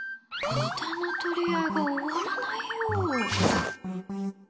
下の取り合いが終わらないよ。